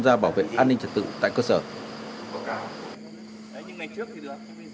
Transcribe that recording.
gia bảo vệ an ninh trật tự tại cơ sở ừ ừ ừ ừ ừ ừ ừ ừ ừ ừ ừ ừ ừ